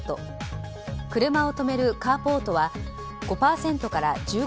車を止めるカーポートは５％から１５％